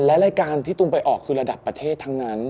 และรายการที่ตูมไปออกคือระดับประเทศทั้งนั้น